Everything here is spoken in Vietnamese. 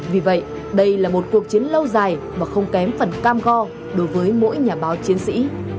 vì vậy đây là một cuộc chiến lâu dài mà không kém phần cam go đối với mỗi nhà báo chiến sĩ